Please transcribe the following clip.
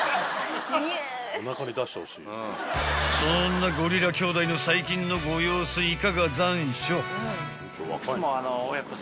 ［そんなゴリラ兄弟の最近のご様子